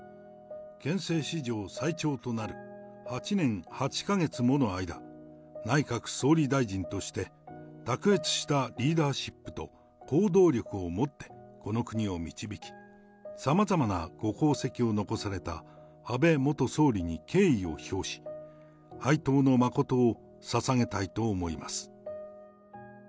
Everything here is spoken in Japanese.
憲政史上最長となる８年８か月もの間、内閣総理大臣として、卓越したリーダーシップと行動力をもってこの国を導き、さまざまなご功績を残された安倍元総理に敬意を表し、哀悼の誠をささげたいと思います。